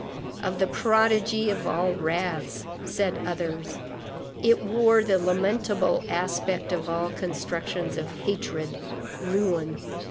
Of the prodigy of all wraths, said others. It wore the lamentable aspect of all constructions of hatred, ruin.